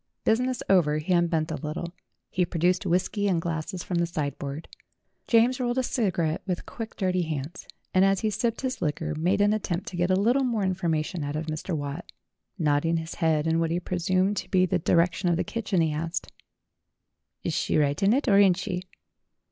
Business over, he un bent a little. He produced whisky and glasses from the sideboard. James rolled a cigarette with quick dirty hands, and as he sipped his liquor made an at tempt to get a little more information out of Mr. Watt. Nodding his head in what he presumed to be the di rection of the kitchen, he asked: "Is she right in it or ain't she?"